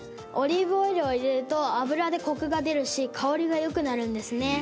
オリーブオイルを入れると油でコクが出るし香りが良くなるんですね。